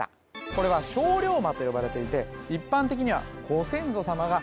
これは精霊馬と呼ばれていて一般的にはご先祖様が